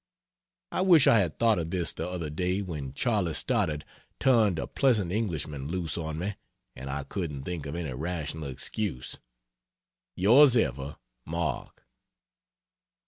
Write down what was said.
I wish I had thought of this the other day when Charley Stoddard turned a pleasant Englishman loose on me and I couldn't think of any rational excuse. Ys Ever MARK.